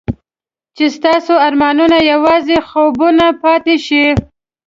چې ستاسو ارمانونه یوازې خوبونه پاتې شي.